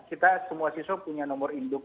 kita semua siswa punya nomor induk